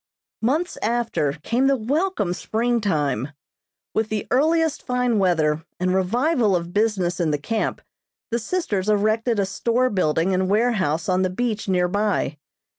Months after came the welcome springtime. With the earliest fine weather and revival of business in the camp the sisters erected a store building and warehouse on the beach near by.